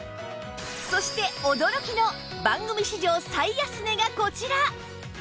そして驚きの番組史上最安値がこちら！